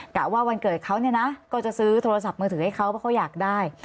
ะว่าวันเกิดเขาเนี่ยนะก็จะซื้อโทรศัพท์มือถือให้เขาเพราะเขาอยากได้